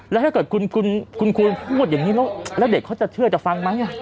แล้วถ้าเกิดคุณควรพูดอย่างนี้แล้วเด็กเขาจะเชื่อจะฟังไหม